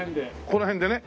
この辺でね。